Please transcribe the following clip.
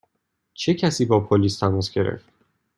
چه کسی با پلیس تماس گرفت؟